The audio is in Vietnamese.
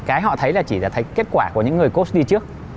cái họ thấy là chỉ là thấy kết quả của những người cost đi trước